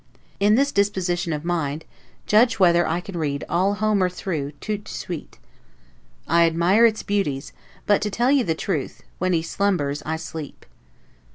In this disposition of mind, judge whether I can read all Homer through 'tout de suite'. I admire its beauties; but, to tell you the truth, when he slumbers, I sleep.